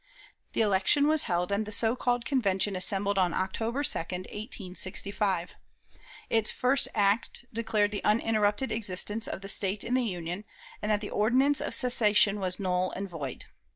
The election was held, and the so called Convention assembled on October 2, 1865. Its first act declared the uninterrupted existence of the State in the Union, and that the ordinance of secession was null and void.